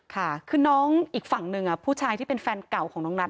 ค่ะคือน้องอีกฝั่งหนึ่งผู้ชายที่เป็นแฟนเก่าของน้องนัท